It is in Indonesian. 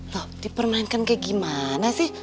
loh dipermainkan kayak gimana sih